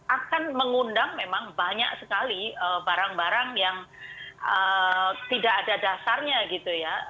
akan mengundang memang banyak sekali barang barang yang tidak ada dasarnya gitu ya